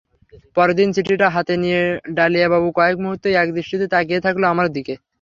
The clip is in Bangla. পরদিন চিঠিটা হাতে নিয়ে ডালিয়াবু কয়েক মুহূর্ত একদৃষ্টিতে তাকিয়ে থাকল আমার দিকে।